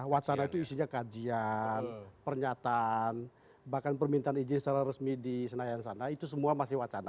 wacana itu isinya kajian pernyataan bahkan permintaan izin secara resmi di senayan sana itu semua masih wacana